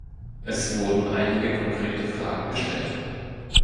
Es wurden einige konkrete Fragen gestellt.